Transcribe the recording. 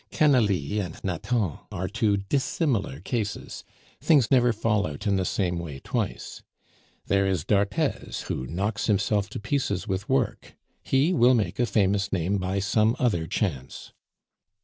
Canalis and Nathan are two dissimilar cases; things never fall out in the same way twice. There is d'Arthez, who knocks himself to pieces with work he will make a famous name by some other chance.